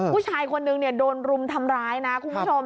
ผู้ชายคนนึงเนี่ยโดนรุมทำร้ายนะคุณผู้ชม